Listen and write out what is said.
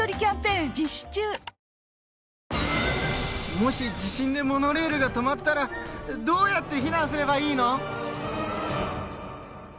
もし地震でモノレールが止まったらどうやって避難すればいいの？